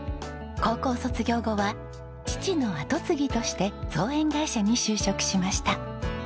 高校卒業後は父の後継ぎとして造園会社に就職しました。